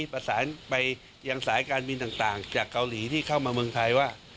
ประสานไปยังสายการบินต่างจากเกาหลีที่เข้ามาเมืองไทยว่า